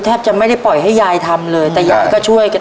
ทับผลไม้เยอะเห็นยายบ่นบอกว่าเป็นยังไงครับ